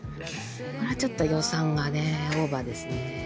これはちょっと予算がねオーバーですね。